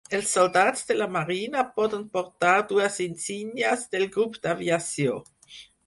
Els soldats de la marina poden portar dues insignes del grup d'aviació.